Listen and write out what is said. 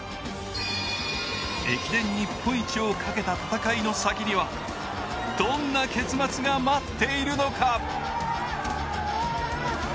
駅伝日本一をかけた戦いの先にはどんな結末が待っているのか。